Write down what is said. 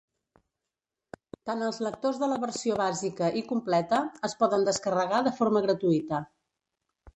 Tant els lectors de la versió bàsica i completa es poden descarregar de forma gratuïta.